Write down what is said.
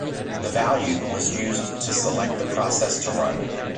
The value was used to select the process to run.